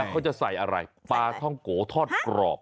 โค้เธอใส่อะไรปลาทั้งโกทอดกรอบ